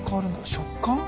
食感？